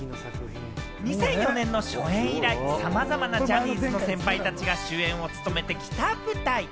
２００４年の初演以来、さまざまなジャニーズの先輩たちが主演を務めてきた舞台。